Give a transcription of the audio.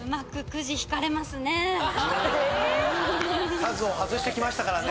カズを外してきましたからね。